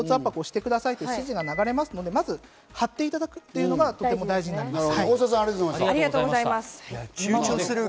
胸骨圧迫をしてくださいという指示が流れますので、まず貼っていただくのがとても大事です。